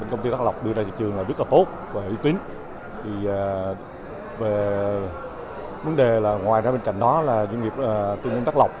để cạnh tranh được tất cả các nước trên thị trường và được công nhận là thị sản việt nam